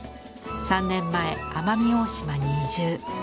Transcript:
３年前奄美大島に移住。